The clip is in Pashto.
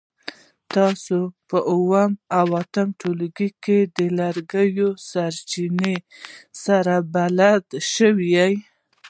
تاسو په اووم او اتم ټولګي کې د لرګیو له سرچینو سره بلد شوي.